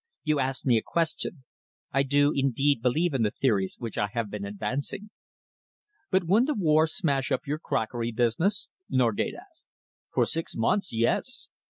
You asked me a question. I do indeed believe in the theories which I have been advancing." "But wouldn't a war smash up your crockery business?" Norgate asked. "For six months, yes!